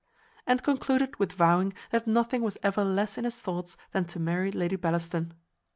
And concluded with vowing that nothing was ever less in his thoughts than to marry Lady Bellaston.